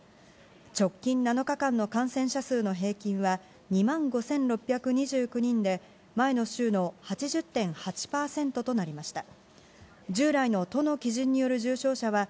直近７日間の感染者数の平均は、２万５６２９人で、前の週の８０．８％となりました。